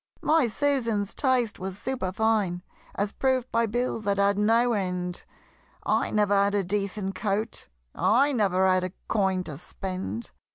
My Susan's taste was superfine, As proved by bills that had no end I never had a decent coat I never had a coin to spend!